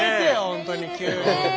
本当に急に。